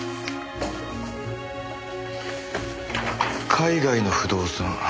海外の不動産。